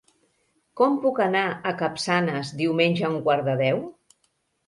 Com puc anar a Capçanes diumenge a un quart de deu?